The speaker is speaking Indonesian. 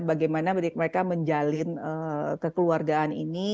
bagaimana mereka menjalin kekeluargaan ini